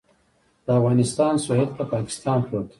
د افغانستان سویل ته پاکستان پروت دی